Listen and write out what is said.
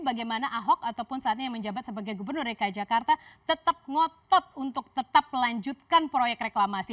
bagaimana ahok ataupun saatnya yang menjabat sebagai gubernur dki jakarta tetap ngotot untuk tetap melanjutkan proyek reklamasi